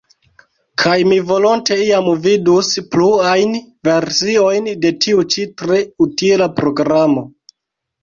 Kaj mi volonte iam vidus pluajn versiojn de tiu ĉi tre utila programo.